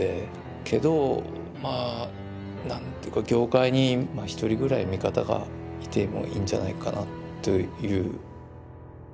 けどまあ何ていうか業界に１人ぐらい味方がいてもいいんじゃないかなという。